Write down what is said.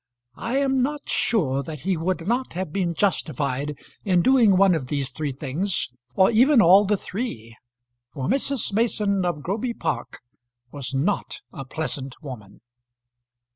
I am not sure that he would not have been justified in doing one of these three things, or even all the three; for Mrs. Mason of Groby Park was not a pleasant woman.